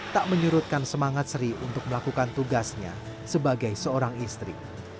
tak menyurutkan semangat sri untuk melakukan tugasnya sebagai seorang istri